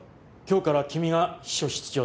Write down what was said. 今日から君が秘書室長だ。